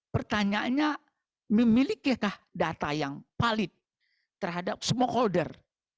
pertanyaannya memilikikah data yang valid terhadap semua holder